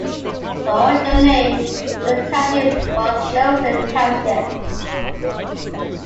The original name of the township was Wilson Township.